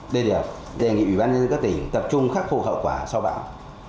đây là đề nghị ủy ban nhân dân các tỉnh tập trung khắc phục hậu quả sau bão